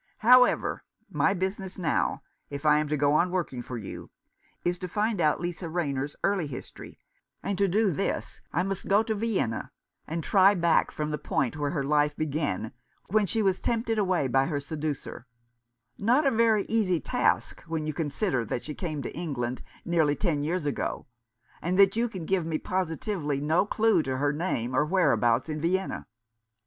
However, my business now, if I am to go on working for you, is to find out Lisa Rayner's early history, and to do this I must go to Vienna, and try back from the point where her life began when she was tempted away by her seducer : not a very easy task, when you consider that she came to England nearly ten years ago, and that you can give me positively no clue to her name or whereabouts in Vienna.